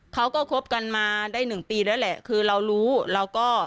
เขาก็คบกันมาได้หนึ่งปีแล้วแหละคือเรารู้เราก็